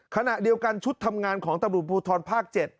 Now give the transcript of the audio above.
ขณะเดียวกันชุดทำงานของตำรวจภูทรภาค๗